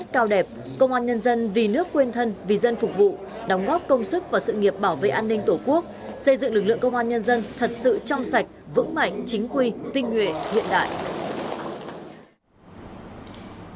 công an nhân dân góp công sức và sự nghiệp bảo vệ an ninh tổ quốc xây dựng lực lượng công an nhân dân thật sự trong sạch vững mạnh chính quy tinh nguyện hiện đại